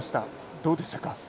どうでしたか？